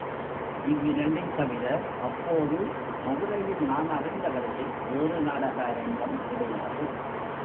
இவ்விரண்டைத் தவிர அப்போது மதுரையில் நான் அறிந்த வரையில் வேறு நாடக அரங்கம் கிடையாது.